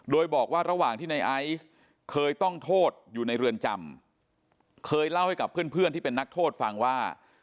โดยบอกว่าระหว่างที่ในไอซ์เคยต้องโทษอยู่ในเรือนจำเคยเล่าให้กับเพื่อนที่เป็นนักโทษฟังว่า